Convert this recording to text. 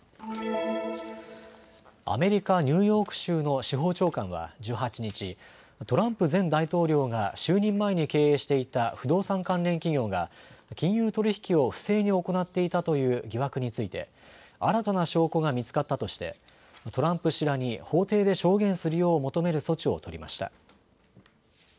アメリカ・ニューヨーク州の司法長官は１８日、トランプ前大統領が就任前に経営していた不動産関連企業が金融取引を不正に行っていたという疑惑について新たな証拠が見つかったとしてトランプ氏らに法廷で証言するよう求める措置を取りました。